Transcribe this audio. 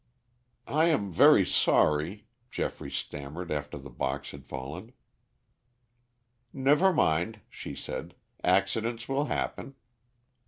Page 78.] "I am very sorry," Geoffrey stammered after the box had fallen. "Never mind," she said, "accidents will happen."